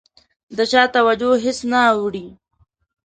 د چا توجه هېڅ نه اوړي.